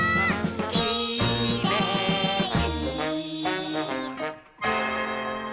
「きれい」